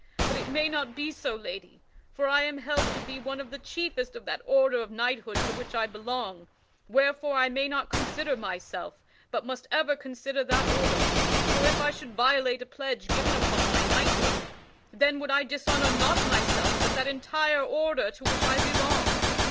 But it may not be so, lady; for I am held to be one of the chiefest of that order of knighthood to which I belong, wherefore I may not consider myself, but must ever consider that order. For if I should violate a pledge given upon my knighthood, then would I dishonor not myself, but that entire order to which I belong.